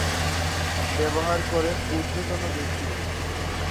ব্যবহার করেন ঊর্ধ্বতন ব্যক্তিরা।